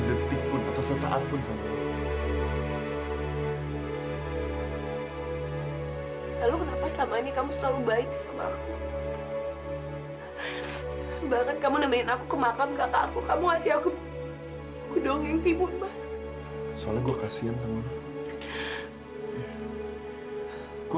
gue mau berterima kasih sama kamu